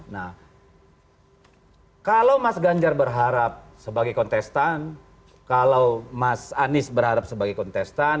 nah kalau mas ganjar berharap sebagai kontestan kalau mas anies berharap sebagai kontestan